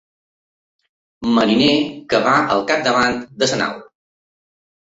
Mariner que va al capdavant de la nau.